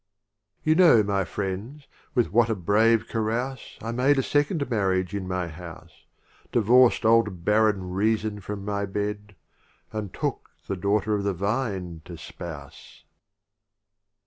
LV. You know, my Friends, with what a brave Carouse I made a Second Marriage in my house ; Divorced old barren Reason from my Bed, And took the Daughter of the Vine to Spouse.